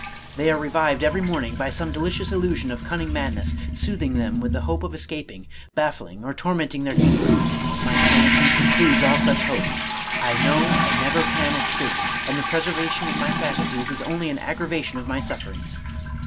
They are revived every morning by some delicious illusion of cunning madness, soothing them with the hope of escaping, baffling or tor menting their keeper; my sanity precludes all such hope. / know I never can escape, and the preservation of my facul ties is only an aggravation of my sufferings.